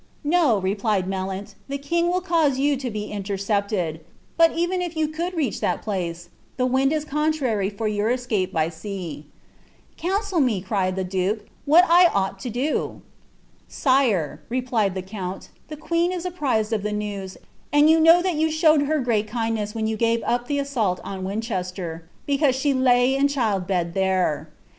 "No," replied Melleni, "the king will cause you to be intercepted; bat even if you could reach that place, the wiud is contrary for yoar taeapi by sea.'^ "Counsel me," cried the duke. " what I ought to do." *» Sire," replied the count, " the queen is apprised of the nem, ml you know that you showed her great kindness when you gave dp ttw BAMiilt on Winchester, because she lay in cliildbed there.